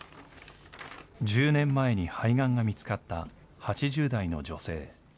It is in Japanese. １０年前に肺がんが見つかった８０代の女性。